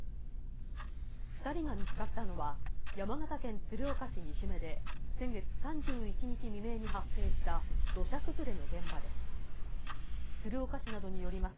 ２人が見つかったのは、山形県鶴岡市西目で、先月３１日未明に発生した土砂崩れの現場です。